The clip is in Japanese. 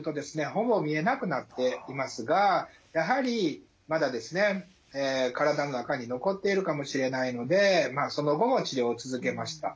ほぼ見えなくなっていますがやはりまだですね体の中に残っているかもしれないのでその後も治療を続けました。